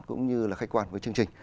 cũng như là khách quan với chương trình